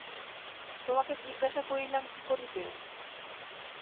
তোমাকে জিজ্ঞাসা করিলাম কী করিতে।